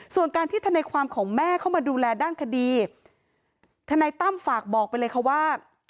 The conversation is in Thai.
ส่วนการที่ทนายความของแม่เข้ามาดูแลด้านคดีทนายตั้มฝากบอกไปเลยค่ะว่า